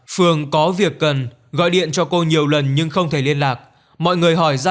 phường có việc cần gọi điện cho cô nhiều lần nhưng không thể liên lạc mọi người hỏi ra